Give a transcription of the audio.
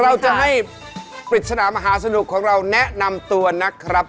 เราจะให้ปริศนามหาสนุกของเราแนะนำตัวนะครับ